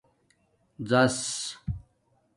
-زس